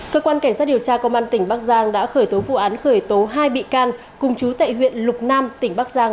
cơ quan cảnh sát điều tra công an tỉnh bắc giang đã khởi tố vụ án khởi tố hai bị can cùng chú tại huyện lục nam tỉnh bắc giang